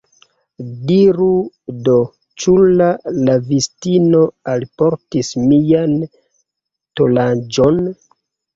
Diru do, ĉu la lavistino alportis mian tolaĵon?